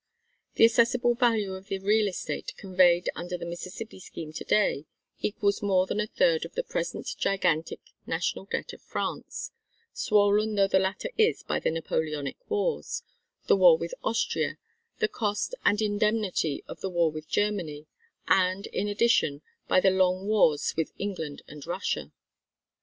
The assessable value of the real estate conveyed under the Mississippi Scheme to day equals more than a third of the present gigantic National Debt of France, swollen though the latter is by the Napoleonic wars, the war with Austria, the cost and indemnity of the war with Germany, and, in addition, by the long wars with England and Russia.